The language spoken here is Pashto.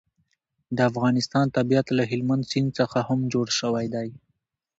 د افغانستان طبیعت له هلمند سیند څخه هم جوړ شوی دی.